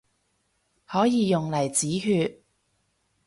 可以用嚟止血